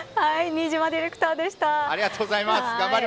新島ディレクターでした。